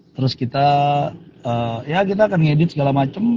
terus kita ya kita akan ngedit segala macam